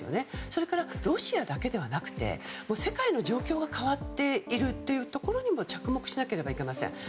それから、ロシアだけではなくて世界の状況が変わっているというところにも着目しなければいけません。